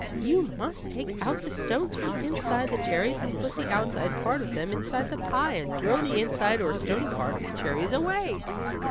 You must take out the stones from inside the cherries and put the outside part of them inside the pie, and throw the inside or stony part of the cherries away."